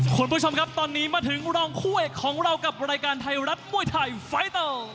คุณผู้ชมครับตอนนี้มาถึงรองคู่เอกของเรากับรายการไทยรัฐมวยไทยไฟเตอร์